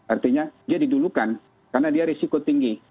artinya dia didulukan karena dia risiko tinggi